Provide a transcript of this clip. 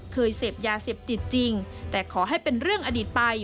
เคยเสพยาเสพติดจริงแต่ขอให้เป็นเรื่องอดีตไป